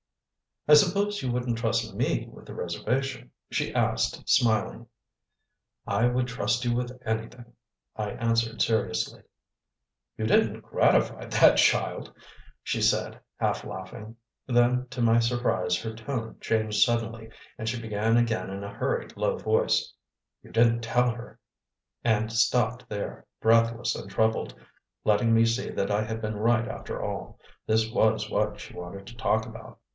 "I suppose you wouldn't trust ME with the reservation?" she asked, smiling. "I would trust you with anything," I answered seriously. "You didn't gratify that child?" she said, half laughing. Then, to my surprise, her tone changed suddenly, and she began again in a hurried low voice: "You didn't tell her " and stopped there, breathless and troubled, letting me see that I had been right after all: this was what she wanted to talk about.